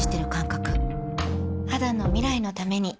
肌の未来のために